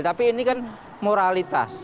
tapi ini kan moralitas